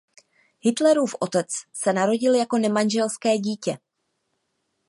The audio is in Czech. Hitlerův otec se narodil jako nemanželské dítě.